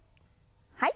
はい。